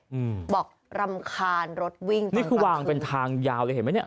อืมบอกรำคาญรถวิ่งนี่คือวางเป็นทางยาวเลยเห็นไหมเนี้ย